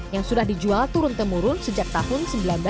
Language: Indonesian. yang sudah dijual turun temurun sejak tahun seribu sembilan ratus sembilan puluh